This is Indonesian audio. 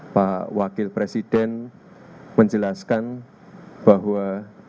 pak wakil presiden menjelaskan bahwa